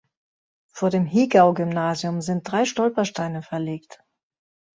Vor dem Hegau-Gymnasium sind drei Stolpersteine verlegt.